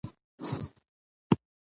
بازار د سهار له وخته تر ماښامه فعال وي